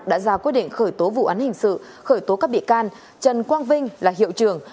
đã ra quyết định khởi tố vụ án hình sự khởi tố các bị can trần quang vinh là hiệu trưởng